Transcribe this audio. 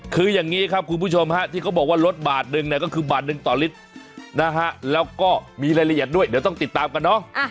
คืออย่างนี้ครับคุณผู้ชมฮะที่เขาบอกว่าลดบาทหนึ่งเนี่ยก็คือบาทหนึ่งต่อลิตรนะฮะแล้วก็มีรายละเอียดด้วยเดี๋ยวต้องติดตามกันเนอะ